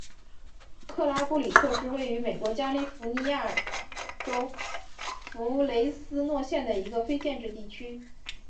克拉布特里是位于美国加利福尼亚州弗雷斯诺县的一个非建制地区。